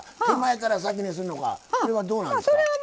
手前から先にするのかこれはどうなんですか？